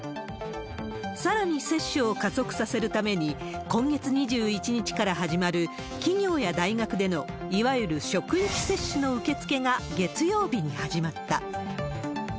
さらに接種を加速させるために、今月２１日から始まる企業や大学での、いわゆる職域接種の受け付けが月曜日に始まった。